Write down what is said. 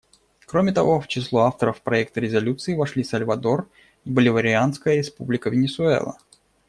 Кроме того, в число авторов проекта резолюции вошли Сальвадор и Боливарианская Республика Венесуэла.